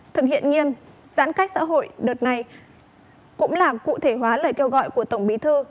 thực hiện nghiêm giãn cách xã hội đợt này cũng là cụ thể hóa lời kêu gọi của tổng bí thư